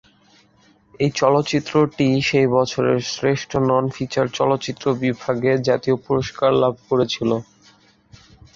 এই চলচ্চিত্রটি সেই বছরের শ্রেষ্ঠ নন-ফিচার চলচ্চিত্র বিভাগে জাতীয় পুরস্কার লাভ করেছিল।